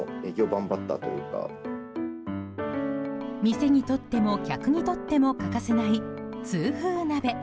店にとっても、客にとっても欠かせない痛風鍋。